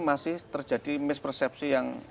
masih terjadi mispersepsi yang